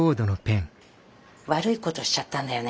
悪いことしちゃったんだよね